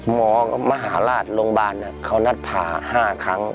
หมอมหาลาศโรงบาลเนี่ยเขานัดผ่าห้าครั้ง